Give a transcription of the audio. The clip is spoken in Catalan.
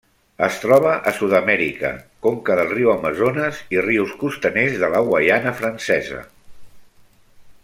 Es troba a Sud-amèrica: conca del riu Amazones i rius costaners de la Guaiana Francesa.